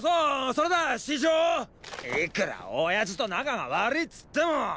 いくら親父と仲がわりーっつっても。